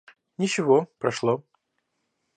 Ничего, прошло.